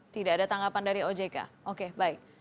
tidak ada tanggapan dari ojk oke baik